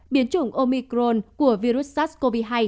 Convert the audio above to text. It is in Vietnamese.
biến chủng omicron của virus sars cov hai